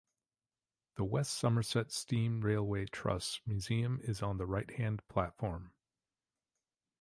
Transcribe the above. The West Somerset Steam Railway Trust's museum is on the right-hand platform.